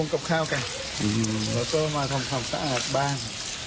และก็มาทำทำซะอาดบ้าง